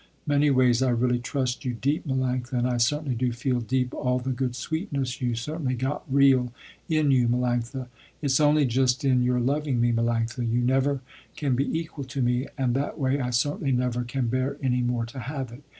Many ways I really trust you deep Melanctha, and I certainly do feel deep all the good sweetness you certainly got real in you Melanctha. Its only just in your loving me Melanctha. You never can be equal to me and that way I certainly never can bear any more to have it.